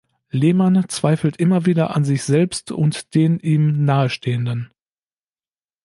Lehmann zweifelt immer wieder an sich selbst und den ihm Nahestehenden.